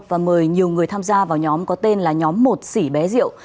và mời nhiều người tham gia vào nhóm có tên là nhóm một xỉ bé diệu